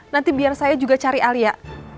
nanti biar saya juga cari alia